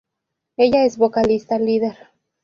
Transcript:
Ella es la vocalista líder.